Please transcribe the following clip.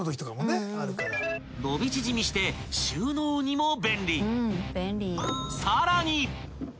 ［伸び縮みして収納にも便利］